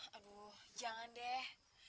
aduh jangan deh